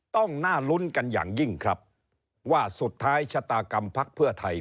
ต้องน่าลุ้นกันอย่างยิ่งครับว่าสุดท้ายชะตากรรมพักเพื่อไทย